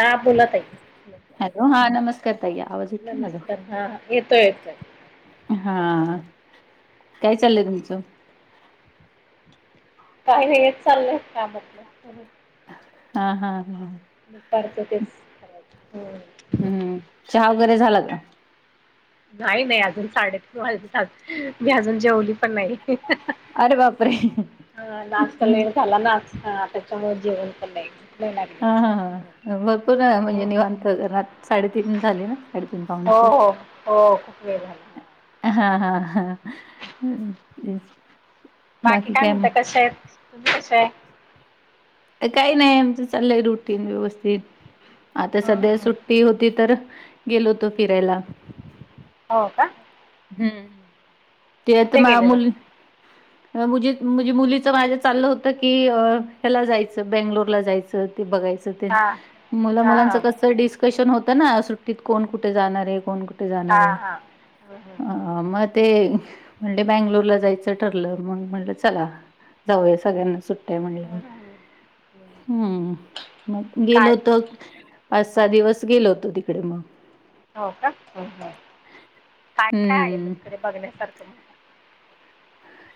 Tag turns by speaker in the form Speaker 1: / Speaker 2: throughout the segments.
Speaker 1: हा बोला ताई
Speaker 2: हॅलो हा नमस्कार तय आवाज उेतठो मझ
Speaker 1: येतो येतोय
Speaker 2: हा काय चाललंय तुमचं
Speaker 1: काही नाही चाललंय का म्हटलं
Speaker 2: हा हा हा
Speaker 1: मग फारच तेच करायच
Speaker 2: हम्म चहा वगैरे झाला का
Speaker 1: नाही नाही अजून साडेतीन वाजलेत मी अजून जेवली पण नाही.
Speaker 2: अरे बापरे
Speaker 1: हा नाश्ता लेट झाला ना हा आ ताच्यामुळे जेवण पण नाही नाही लागली
Speaker 2: हा
Speaker 1: अजून. हम्म.
Speaker 2: हा भरपूर म्हणजे निवांत साडेतीन झाली ना साडेतीन पावणे
Speaker 1: हो हो
Speaker 2: चार
Speaker 1: हो खूप वेळ झाला
Speaker 2: हा हा हा
Speaker 1: बाकी काय म्हणत कशा आहेत तुम्ही कशा आहे
Speaker 2: काही नाही आमचं चाललंय रुटीन व्यवस्थित आता
Speaker 1: हम्म
Speaker 2: सध्या
Speaker 1: हम्म
Speaker 2: सुट्टी होती तर गेलो होतो फिरायला
Speaker 1: हो का
Speaker 2: हम्म ते
Speaker 1: कुठे
Speaker 2: तर
Speaker 1: गेलेला?
Speaker 2: मुल मझ म्हणजे मुलीच माझ्या चाललं होत की ह्याला जायचं बेंगलोर ला जायचं ते बघायचं
Speaker 1: हा
Speaker 2: मुला
Speaker 1: हा
Speaker 2: मुलांच
Speaker 1: हा
Speaker 2: कस डिस्कशन होत ना सुटीत कोण कुठे जाणार आहे कोण कुठ कुठे जाणार
Speaker 1: हा
Speaker 2: आहे
Speaker 1: हा. हम्म हम्म.
Speaker 2: म ते म्हणले बंगलोरला जायचं ठरलं मग म्हणलं चला जाऊया सगळ्यांना सुट्टी का म्हटलं
Speaker 1: हं. हं. हं.
Speaker 2: हम्म मग गेलो
Speaker 1: काय
Speaker 2: होतो पाच-सहा दिवस गेलो होतो तिकडे मग
Speaker 1: हो का काय काय आहे मग
Speaker 2: हम्म
Speaker 1: तिकडे बघण्यासारखं मग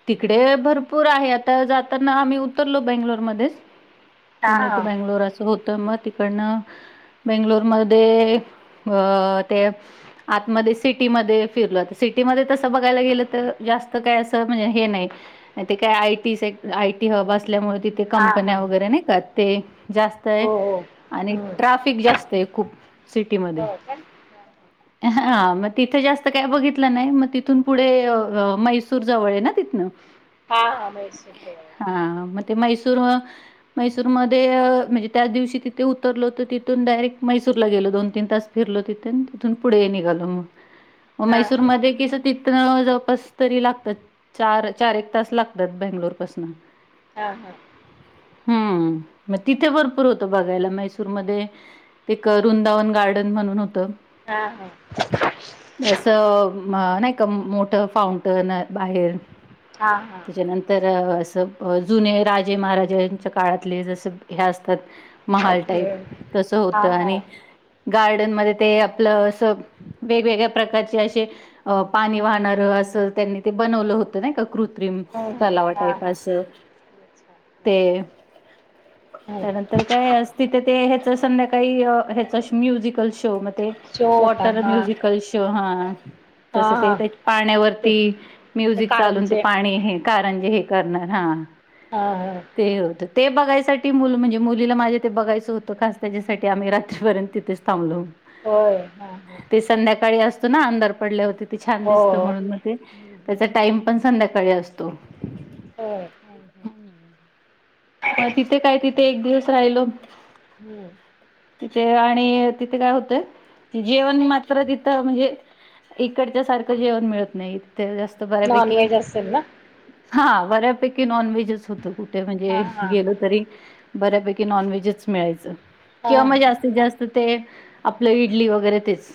Speaker 2: तिकडे भरपूर आहे आता जाताना आम्ही उतरलो बेंगलोरमध्येच
Speaker 1: हां
Speaker 2: पुणे टू
Speaker 1: हां
Speaker 2: बेंगलोर असं होतं मग तिकडनं बेंगलोरमध्ये अ ते आतमध्ये सिटीमध्ये फिरलो सिटीमध्ये तस बघायला गेलं तर जास्त काय असं म्हणजे हे नाही ते काय आयटी सेक्टर आयटी असल्यामुळे तिथे
Speaker 1: हां हां.
Speaker 2: कंपन्या वगैरे नाही का ते जास्त आहे
Speaker 1: हो हो
Speaker 2: आणि
Speaker 1: हं.
Speaker 2: ट्राफिक जास्त ते खूप सिटीमध्ये
Speaker 1: हो का हां, हां.
Speaker 2: हा मग तिथे जास्त काय बघितलं नाही मग तिथून पुढे मैसूर जवळ आहे ना तिथन
Speaker 1: हां हां म्हैसूरचं आहे तिकडे
Speaker 2: हा
Speaker 1: हं.
Speaker 2: मैसूर मैसुरमध्ये म्हणजे त्या दिवशी तिथे उतरलो होतो तिथून डायरेक्ट मैसूरला गेलो दोन-तीन तास फिरलो तिथे तिथून पुढे निघालो मग
Speaker 1: हां हां
Speaker 2: मैसूरमध्ये किस तिथन जवळपास तरी लागतात चार चार एक तास लागतात बेंगलोरपसून
Speaker 1: हा हा
Speaker 2: हम्म मग तिथे भरपूर होत बघायला मैसूरमध्ये एक वृंदावन गार्डन म्हणून होत
Speaker 1: हा हा
Speaker 2: असं नाही का मोठ फाउंटन बाहेर
Speaker 1: हां हां हां
Speaker 2: त्याच्यानंतर जुने राजे महाराजेच्या काळातले जस ह्य असतात महाल टाईप
Speaker 1: हं.
Speaker 2: तस
Speaker 1: हां
Speaker 2: होतं
Speaker 1: हां
Speaker 2: आणि गार्डन मध्ये ते आपलं असं वेगवेगळ्या प्रकारचे असे अ पाणी वाहणार अस त्यांनी ते बनवलं होतं नाही का कृत्रिम
Speaker 1: हो हो हां
Speaker 2: तलावटाईप
Speaker 1: हां
Speaker 2: अस
Speaker 1: अच्छा. हं.
Speaker 2: ते
Speaker 1: हो
Speaker 2: त्यानंतर काय तिथे ते ह्याच संध्याकाळी ह्याच म्युझिकल शो म ते
Speaker 1: शो होता
Speaker 2: वॉटर
Speaker 1: हां
Speaker 2: म्युझिकल शो हा तसं
Speaker 1: हां
Speaker 2: ते
Speaker 1: हां
Speaker 2: त्या
Speaker 1: ते
Speaker 2: पाण्यावरती
Speaker 1: ते
Speaker 2: म्युझिक चालून ते
Speaker 1: कारंजे
Speaker 2: पाणी हे कारणजे हे करणार हा
Speaker 1: ह ह
Speaker 2: ते होतं ते बघायसाठी मुलं म्हणजे मुलीला माझ्या ते बघायचं होतं खास त्याच्यासाठी आम्ही रात्रीपर्यंत तिथेच थांबलो
Speaker 1: होय, हा हा.
Speaker 2: ते संध्याकाळी
Speaker 1: हो हं,
Speaker 2: [unintelligible]
Speaker 1: हं.
Speaker 2: टाईम पण संध्याकाळी असतो.
Speaker 1: हो.
Speaker 2: म तिथे काय? तिथे एक दिवस राहिलो.
Speaker 1: हो.
Speaker 2: [unintelligible] इकडच्या सारखं जेवण मिळत नाही. तिथे जास्त
Speaker 1: नॉन
Speaker 2: बऱ्यापैकी.
Speaker 1: व्हेज असेल ना
Speaker 2: हा, बऱ्यापैकी नॉनव्हेजच होत. कुठं म्हणजे
Speaker 1: हा हा
Speaker 2: गेल तरी - बऱ्यापैकी नॉनव्हेजच मिळायच
Speaker 1: हा
Speaker 2: किंवा मग जास्तीत-जास्त ते - आपलं इडली वगैरे तेच.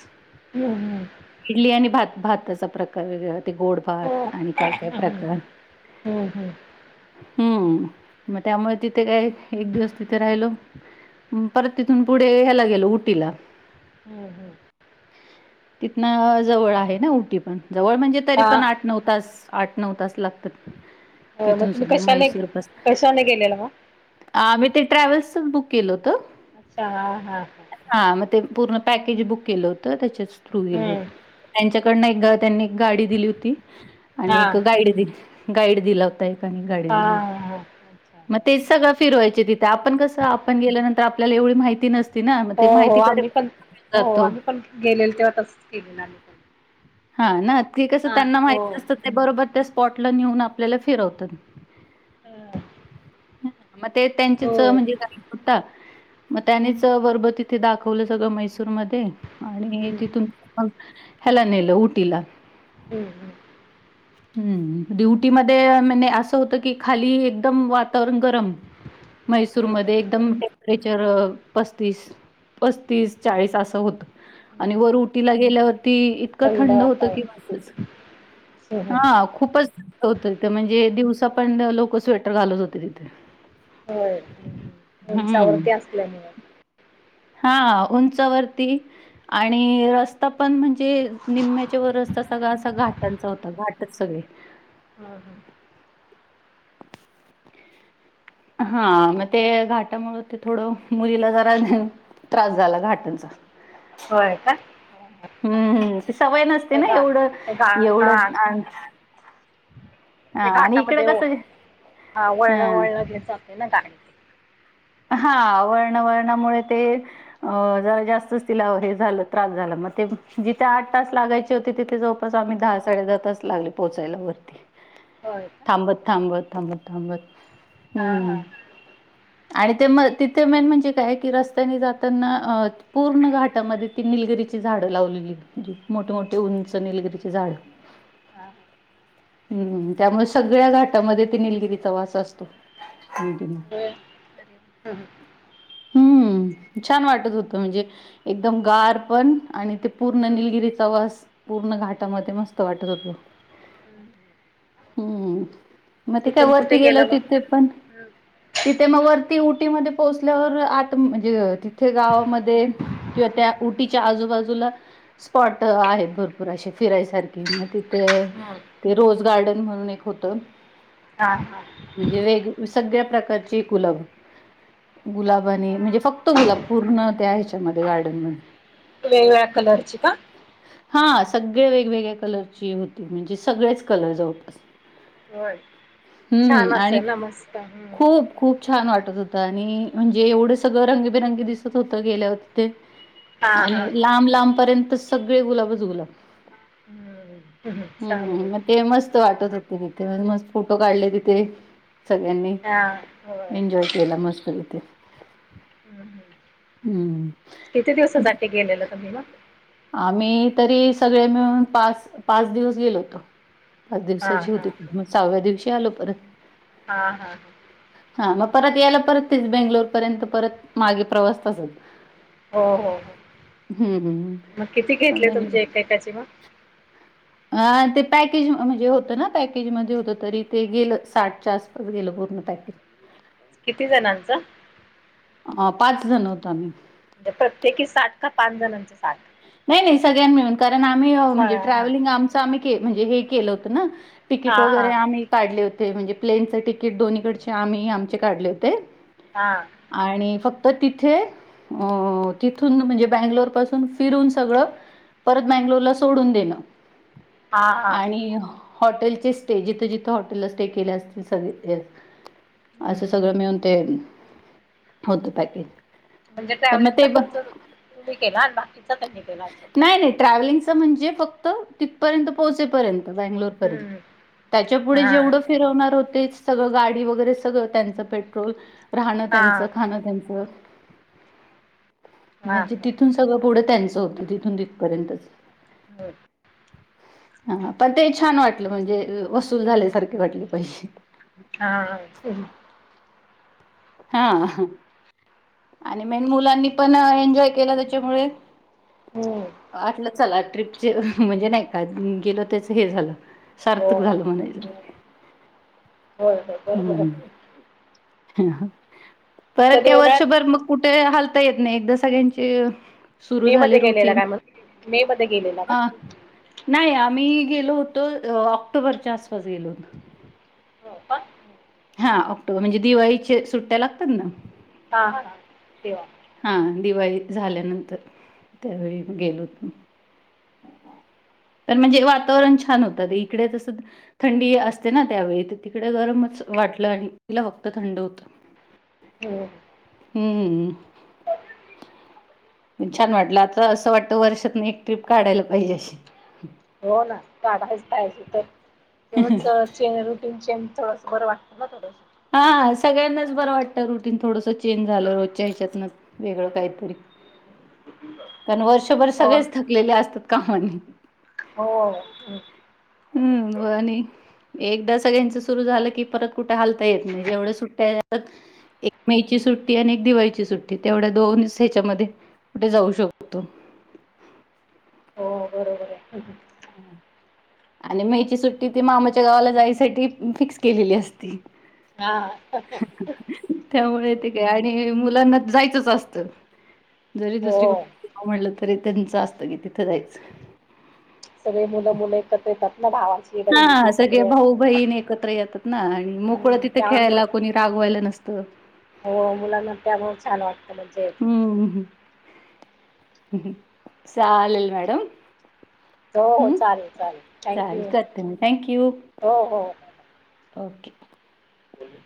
Speaker 2: इडली
Speaker 1: [inaudible]
Speaker 2: आणि भात भाताचा प्रकार वेगळा. ते गोड भात, आणि काय-काय
Speaker 1: हम्म
Speaker 2: प्रकार.
Speaker 1: हम्म
Speaker 2: हम्म. म त्यामुळे तिथे काय एक दिवस तिथे राहिलो, परत तिथून पुढे ह्याला गेलो, उटीला.
Speaker 1: हं - [inaudible]
Speaker 2: तिथन जवळ आहे ना, उटी पण? जवळ म्हणजे, तरी
Speaker 1: हा
Speaker 2: पण आठ-नऊ तास, आठ-नऊ तास लागतात.
Speaker 1: मग
Speaker 2: तिथून
Speaker 1: तुम्ही
Speaker 2: सुद्धा
Speaker 1: कशाने
Speaker 2: म्हैसूर बस
Speaker 1: कशाने गेलेला मग
Speaker 2: आम्ही ते ट्रॅव्हल्सच बुक केलं होत. ते
Speaker 1: [unintelligible]
Speaker 2: पूर्ण पॅकेज बुक केलं होतं, त्याच्या थ्रू गेलो
Speaker 1: हम्म
Speaker 2: होतो, यांच्याकडन एकदा त्यांनी गाडी दिली होती,
Speaker 1: हा
Speaker 2: आणि एक गाईड दि गाईड दिला होता एक. आणि गाडी
Speaker 1: हा
Speaker 2: दिली होती.
Speaker 1: हा अच्छा
Speaker 2: मग ते सगळं फिरवायचे तिथं, आपण कसं आपण गेल्यानंतर आपल्याला एवढी माहिती नस
Speaker 1: हो हो आम्ही पण, हो
Speaker 2: जातो
Speaker 1: आम्ही पण गेलेलो, तेव्हा तसंच केलेल आम्ही.
Speaker 2: हा ना, ते कसं
Speaker 1: हा
Speaker 2: त्यांना
Speaker 1: हो
Speaker 2: माहित नसतं. ते बरोबर त्या स्पॉटला नेऊन आपल्याला फिरवतात.
Speaker 1: हा
Speaker 2: मते
Speaker 1: हो
Speaker 2: त्यांचे म्हणजे गाईड देता. म त्यानेच वर बा तिथं दाखवलं सगळं म्हैसूर मध्ये - आणि
Speaker 1: हम्म
Speaker 2: तिथून मग ह्याला नेलं, उटीला.
Speaker 1: हम्म हम्म.
Speaker 2: हम्म, उटीमध्ये म्हणजे असं होतं की, खाली एकदम वातावरण गरम. मैसूर
Speaker 1: हम्म
Speaker 2: मध्ये एकदम टेंपरेचर पस्तीस. पस्तीस-चाळीस असं होत, आणि
Speaker 1: हम्म
Speaker 2: वर उटीला गेल्या वरती [inaudible]
Speaker 1: थंड वातावरण हम्म
Speaker 2: होत. ते म्हणजे दिवसा पण लोक स्वेटर घालत होते, तिथं.
Speaker 1: होय. उंचा वरती असल्यामुळे.
Speaker 2: हा, उंचावरती, आणि रस्ता पण म्हणजे निम्म्याच्या वर रस्ता सगळा असा घाटांचा होता. घाटच सगळे.
Speaker 1: हा हा
Speaker 2: [unintelligible] हा, म ते घाटामुळे ते थोडं मुलीला जरा त्रास झाला घाटांचा.
Speaker 1: होय का?
Speaker 2: हम्म हम्म. ती सवय नसते
Speaker 1: ते
Speaker 2: ना,
Speaker 1: गा
Speaker 2: एवढं
Speaker 1: ते गा
Speaker 2: एवढं
Speaker 1: हां
Speaker 2: आन
Speaker 1: ते घाटामध्ये, हा
Speaker 2: हां.
Speaker 1: वळणवळण घेत जाते ना गाडी.
Speaker 2: हा, वळणा-वळणा मुळे ते अ जरा जास्तच तिला हे झालं. त्रास झाला. मग ते जिथे आठ तास लागायचे होते, तिथे जवळपास आम्ही दहा साडे दहा तास लागले पोहोचायला, वरती.
Speaker 1: होय का
Speaker 2: थांबत, थांबत, थांबत, थांबत.
Speaker 1: हा हा.
Speaker 2: हम्म आणि ते तिथे मेन म्हणजे काय की रस्त्याने जाताना,? ूर्ण घाटामध्ये ती निलगिरी ची झाड लावलेली, मोठे मोठे उंच निलगिरीची झाड.
Speaker 1: हा.
Speaker 2: [inaudible] हम्म त्यामुळे सगळ्या घाटामध्ये ते निलगिरीचा वास असतो, कंटिन्यू.
Speaker 1: ह ह.
Speaker 2: हम्म छान वाटत होतं, म्हणजे एकदम गार पण, आणि ते पूर्ण
Speaker 1: हं
Speaker 2: निलगिरीचा वास. पूर्ण घाटामध्ये मस्त वाटत होत,
Speaker 1: हं
Speaker 2: हम्म. मग ते काय
Speaker 1: तिथून
Speaker 2: वरती
Speaker 1: कुठे
Speaker 2: गेल
Speaker 1: गेला मग
Speaker 2: तिथे पण,
Speaker 1: हं
Speaker 2: तिथे मग वरती उटी मध्ये पोहोच ल्यावर आत म्हणजे तिथे गावामध्ये किंवा त्या उटीच्या आजूबाजूला स्पॉट आहेत भरपूर असे फिरायसारखे मग तिथे ते रोज गार्डन म्हणून एक होत
Speaker 1: हां हां
Speaker 2: म्हणजे वेग सगळ्या प्रकारचे गुलाब गुलाबाने आणि म्हणजे फक्त गुलाब पूर्ण त्या ह्याच्यामध्ये गार्डन मध्ये
Speaker 1: वेगवेगळ्या कलरची का?
Speaker 2: हा सगळे वेगवेगळ्या कलरची होती म्हणजे सगळेच कलर जवळपास.
Speaker 1: होय छान
Speaker 2: हम्म आणि
Speaker 1: असेल ना मस्त हं
Speaker 2: खूप खूप छान वाट त होत आणि म्हणजे एवढं सगळं रंगबिरंगी दिसत होत गेल्यावर तिथे
Speaker 1: हां हां
Speaker 2: आणि लांब लांबपर्यंत सगळे गुलाबच गुलाब.
Speaker 1: हं हं छान
Speaker 2: हम्म
Speaker 1: आहे
Speaker 2: मग ते मस्त वाटत होते. ते मस्त फोटो काढले तिथे सगळ्यांनी
Speaker 1: हां होय
Speaker 2: एन्जॉय केला मस्त [unintelligible] हम्म.
Speaker 1: किती दिवसासाठी गेलेला तुम्ही मग.
Speaker 2: आम्ही तरी सगळे मिळून पाच पाच दिवस गेलो होतो. पाच
Speaker 1: हां
Speaker 2: दिवसाची होती मग सहाव्या दिवशी आलो परत.
Speaker 1: हा हा हा.
Speaker 2: हा मग परत यायला परत तेच बेंगलोर पर्यंत परत मागे प्रवास तसच
Speaker 1: हो हो हो
Speaker 2: हम्म.
Speaker 1: मग किती
Speaker 2: मग
Speaker 1: घेतले तुमचे एकेकाचे मग?
Speaker 2: अ ते पॅकेज म्हणजे होत ना पॅकेज मध्ये होत तरी ते गेलं साठच्या आसपास गेलं पूर्ण पॅकेज.
Speaker 1: किती जणांचा.
Speaker 2: अ पाच जण होतो आम्ही.
Speaker 1: म्हणजे प्रत्येकी साठ का पाच जणांचे.
Speaker 2: नाही नाही सगळ्यां मिळून कारण आम्ही
Speaker 1: हा
Speaker 2: म्हणजे ट्रॅव्हलिंग आमच आम्ही म्हणजे हे केलं होत ना
Speaker 1: हा
Speaker 2: तिकीट
Speaker 1: हा
Speaker 2: वगैरे आम्ही काढले होते म्हणजे प्लेनचं तिकीट दोन्ही कडचे आम्ही आमचे काढले होते
Speaker 1: हा
Speaker 2: आणि फक्त तर तिथे तिथून म्हणजे बँगलोरपासून फिरून सगळं परत मँंगलोरला सोडून देणं
Speaker 1: हा हा
Speaker 2: आणि हॉटेलचे स्टे जिथं जिथं हॉटेलला स्टे केले असतील सगळे
Speaker 1: हम्म.
Speaker 2: असं सगळं मिळून ते होत पॅकेज.
Speaker 1: म्हणजे
Speaker 2: पण मग
Speaker 1: ट्रॅव्हलिंगचा
Speaker 2: ते पण
Speaker 1: खर्च तुम्ही केला आणि बाकी
Speaker 2: नाही नाही ट्रॅव्हलिंग म्हणजे फक्त तिथपर्यंत पोहचेपर्यंत बंगलोर पर्यंत त्याच्या पुुढे
Speaker 1: हां
Speaker 2: जेवढं फिरवणार होतेच सगळं गाडी वगैरे सगळं त्यांचं पेट्रोल राहणं त्यांचं
Speaker 1: हां
Speaker 2: खाणं त्यांचं म्हणजे
Speaker 1: हां
Speaker 2: तिथून सगळं पुढं त्यांचं होतं तिथून तिथपर्यंतच
Speaker 1: [unintelligible]
Speaker 2: हा पण ते छान वाटलं म्हणजे वसूल झाल्यासारखे वाटलं पैसे
Speaker 1: हा.
Speaker 2: हा. आणि मेन मुलांनी पण एन्जॉय केला, त्याच्यामुळे
Speaker 1: हो होय
Speaker 2: आपलं चला ट्र्रीपचे म्हणजे नाही का गेलं त्याच हे झालं. सार्थक झालं म्हणायच.
Speaker 1: होय होय बरोबर.
Speaker 2: ह परत
Speaker 1: कधी
Speaker 2: काय वर्षभर
Speaker 1: उन्हाळ्यात
Speaker 2: मग कुठे हाल ता येत नाही एकदा सगळ्यांचे सुरू
Speaker 1: मे
Speaker 2: झाले
Speaker 1: मध्ये गेलेला
Speaker 2: रुटीन
Speaker 1: काय मग मे मध्ये गेलेला का
Speaker 2: नाही आम्ही गेलो होतो ऑक्टोबरच्या आसपास गेलो होतो.
Speaker 1: हो का
Speaker 2: हा ऑक्टोबर म्हणजे दिवाळीच्या सुट्ट्या लागतात ना.
Speaker 1: हा हा तेव्हा.
Speaker 2: हा दिवाळी झाल्यानंतर त्यावेळी
Speaker 1: हम्म.
Speaker 2: गेलो होतो. ह पण म्हणजे वातावरण छान होतं इकडे तसं थंडी असते ना त्यावेळी तिकडे गरम वाटलं आणि तीला फक्त थंड होत
Speaker 1: हो
Speaker 2: हम्म पण छान वाटलं आता असं वाटतं वर्षातनं एक ट्र्रीप काढायला पाहिजे अशी
Speaker 1: हो ना काढायच पाहिजे तर तेवढंच चेंज रुटीन चेंज थोडंसं बरं वाटतं ना थोडं
Speaker 2: हा सगळ्यांनाच बरं वाटतं रुटीन थोडंसं चेंज झालं रोजच्या हेच्यातन वेगळं काहीतरी कारण वर्षभर
Speaker 1: हो न.
Speaker 2: सगळेच थकलेले असतात कहाणी
Speaker 1: हो
Speaker 2: हम्म व आणि एकदा सगळ्यांच सुरु झालं की परत कुठे हालता येत नाही जेवढ्या सुट्ट्या एक मेची सुट्टी आणि एक दिवाळीची सुट्टी तेवढ्या दोनच ह्याच्यामध्ये कुठे जाऊ शकतो
Speaker 1: ह
Speaker 2: हम आणि मेची सुट्टी ती मामाच्या गावाला जायसाठी फिक्स केलेली असती
Speaker 1: हा
Speaker 2: त्यामुळे ते काय आणि मु लांना जायचंच असत जरी दुसरीकड
Speaker 1: हो
Speaker 2: कुठ आवडल तरी त्यांचं असतं की तिथं जायचं
Speaker 1: सगळे मुलं मुलं एकत्र येतात ना भावाची
Speaker 2: हा
Speaker 1: बहिणीची
Speaker 2: सगळे
Speaker 1: असं
Speaker 2: भाऊ बहीण एकत्र येतात ना आणि मोकळं
Speaker 1: हम्म
Speaker 2: तिथं
Speaker 1: त्यामुळे
Speaker 2: खेळायला कोणी रागवायला नसतं
Speaker 1: हो मुलाना त्यामूळ छान वाटत
Speaker 2: हम्म चालेल मॅडम
Speaker 1: हो हो
Speaker 2: हम्म
Speaker 1: चालेल चालेल
Speaker 2: चालेल
Speaker 1: थँक्यू
Speaker 2: करते मी थँक यू
Speaker 1: हो
Speaker 2: ओके
Speaker 1: बोल